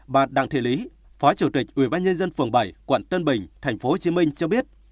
bà đặng thị lý phó chủ tịch ubnd phường bảy quận tân bình tp hcm cho biết